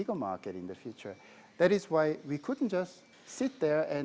itulah sebabnya kita tidak bisa duduk di sana